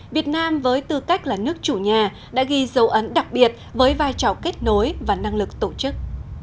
việt nam với tư cách là nước chủ nhà đã ghi dấu ấn đặc biệt với vai trò kết nối và năng lực tổ chức